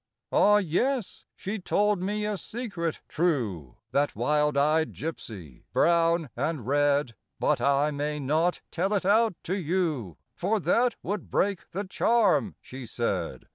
Ah, yes, she told me a secret true, That wild eyed gypsy, brown and red ! But I may not tell it out to you, For that would break the charm, she said.